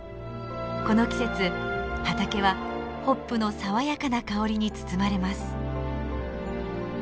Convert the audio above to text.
この季節畑はホップの爽やかな香りに包まれます。